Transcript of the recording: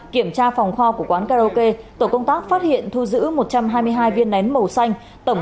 trong các phòng kho của quán karaoke tổ công tác phát hiện thu giữ một trăm hai mươi hai viên nén màu xanh tổng